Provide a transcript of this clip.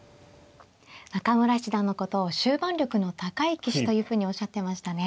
中村七段のことを終盤力の高い棋士というふうにおっしゃってましたね。